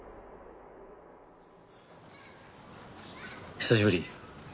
久しぶり。